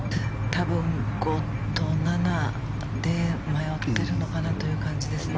多分、５と７で迷っているのかなという感じですね。